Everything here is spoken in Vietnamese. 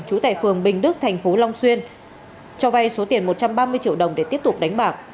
trú tại phường bình đức thành phố long xuyên cho vay số tiền một trăm ba mươi triệu đồng để tiếp tục đánh bạc